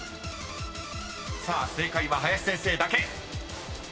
［さあ正解は林先生だけ］